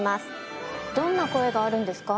どんな声があるんですか？